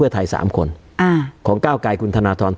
การแสดงความคิดเห็น